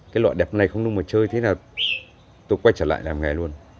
cái loại đẹp này không nung mà chơi thế nào tôi quay trở lại làm nghề luôn